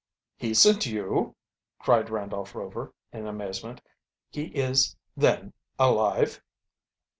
"He sent you!" cried Randolph Rover in amazement. "He is, then, alive?"